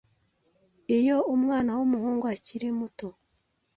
iyo umwana w’umuhungu akiri muto,